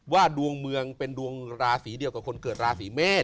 ดวงเมืองเป็นดวงราศีเดียวกับคนเกิดราศีเมษ